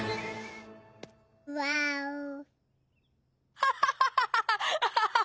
アハハハハ！